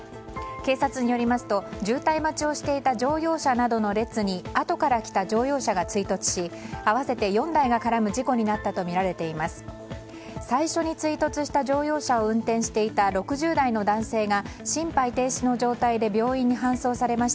警察によりますと渋滞待ちをしていた乗用車などの列にあとから来た乗用車が追突し合わせて４台が絡む事故になったとみられています。